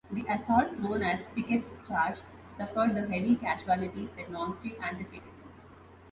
The assault, known as Pickett's Charge, suffered the heavy casualties that Longstreet anticipated.